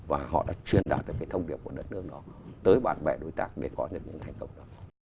và họ đã truyền đạt được cái thông điệp của đất nước đó tới bạn bè đối tác để có được những thành công đó